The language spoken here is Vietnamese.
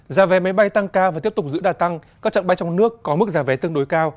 giá vé máy bay tăng cao và tiếp tục giữ đạt tăng các trạng bay trong nước có mức giá vé tương đối cao